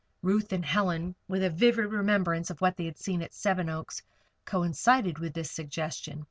Ruth and Helen, with a vivid remembrance of what they had seen at Seven Oaks, coincided with this suggestion.